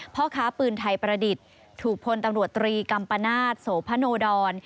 พ่อค้าปืนไทยประดิษฐ์ถูกพลตำรวจตรีกัมปนาศโสพโนดร